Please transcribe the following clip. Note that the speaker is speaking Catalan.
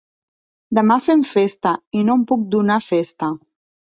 Demà fem festa i no et puc donar festa.